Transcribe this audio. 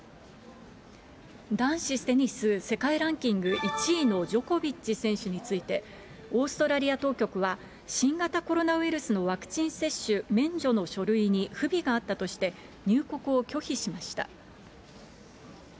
男子テニス世界ランキング１位のジョコビッチ選手について、オーストラリア当局は、新型コロナウイルスのワクチン接種免除の書類に不備があったとして、入国を拒否しました。